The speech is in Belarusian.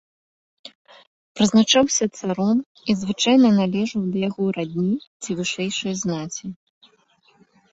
Прызначаўся царом і звычайна належаў да яго радні ці вышэйшай знаці.